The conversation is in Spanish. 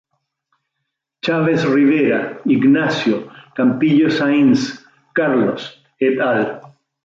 Chávez Rivera, Ignacio, Campillo Sainz, Carlos, et al.